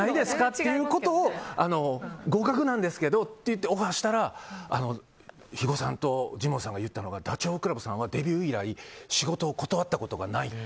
っていうことを合格なんですけどって言ってオファーしたら肥後さんとジモンさんが言ったのがダチョウ倶楽部さんはデビュー以来仕事を断ったことがない。